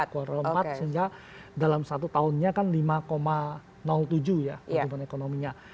kuartal empat sehingga dalam satu tahunnya kan lima tujuh ya pertumbuhan ekonominya